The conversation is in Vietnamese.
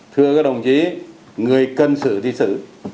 thưa các đồng chí người cân xử thì xử